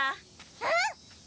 うん！